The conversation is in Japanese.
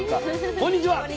こんにちは。